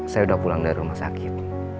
saya udah pulang dari rumah sakit